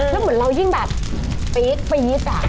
แล้วเหมือนเรายิ่งแบบปี๊ดปี๊ด